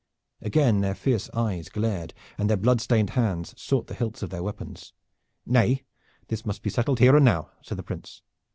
Again their fierce eyes glared and their blood stained hands sought the hilts of their weapons. "Nay, this must be settled here and now!" said the Prince.